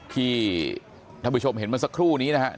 ที่ถ้าผู้ชมเห็นมันสักครู่นี้นะครับ